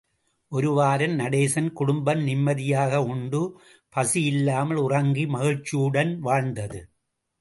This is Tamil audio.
ஒரு வாரம் நடேசன் குடும்பம் நிம்மதியாக உண்டு, பசியில்லாமல் உறங்கி, மகிழ்ச்சியுடன் வாழ்ந்தது.